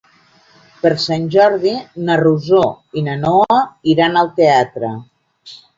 Per Sant Jordi na Rosó i na Noa iran al teatre.